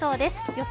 予想